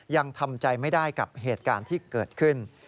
ยังทำใจไม่ได้กับเหตุการณ์ที่เกิดขึ้น